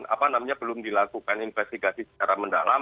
apa namanya belum dilakukan investigasi secara mendalam